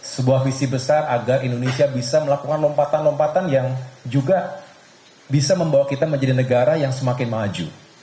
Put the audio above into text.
sebuah visi besar agar indonesia bisa melakukan lompatan lompatan yang juga bisa membawa kita menjadi negara yang semakin maju